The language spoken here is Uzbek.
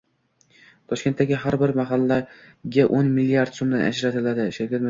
Toshkentdagi har bir mahallagao´nmlrd so‘mdan ajratiladi — Shavkat Mirziyoyev